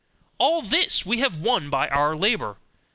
'All this have we won by our labour.